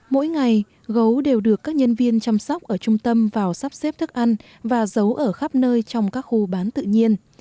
mỗi ngày gấu đều được các nhân viên chăm sóc ở trung tâm vào sắp xếp thức ăn và giấu ở khắp nơi trong các khu bán tự nhiên